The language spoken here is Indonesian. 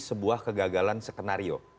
sebuah kegagalan skenario